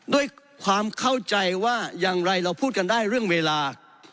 ด้วยความเข้าใจว่าอย่างไรเราพูดกันได้เรื่องเวลา